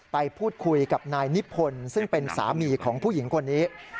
ไปพูดคุยกับนายนิพนธ์ซึ่งเป็นสามีของผู้หญิงคนนี้